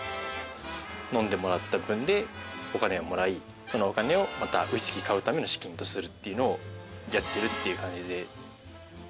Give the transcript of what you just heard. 飲んでもらった分でお金をもらいそのお金をまたウイスキー買うための資金とするっていうのをやってるっていう感じで。